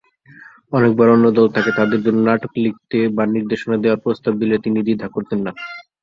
অনেকবার অন্য দল তাকে তাদের জন্য নাটক লিখতে বা নির্দেশনা দেওয়ার প্রস্তাব দিলে, তিনি দ্বিধা করতেন না।